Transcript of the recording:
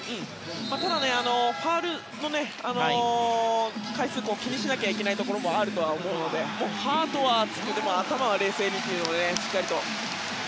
ただ、ファウルの回数を気にしなきゃいけないところもあると思うのでハートは熱くでも頭は冷静にというのをしっかりとしてほしいです。